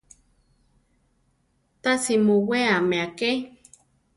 Tasi muweame aké.